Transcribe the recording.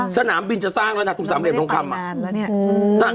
สนามบินจะสร้างแล้วนะตรงสามเหลี่ยทองคำอ่ะ